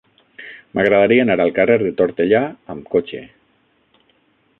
M'agradaria anar al carrer de Tortellà amb cotxe.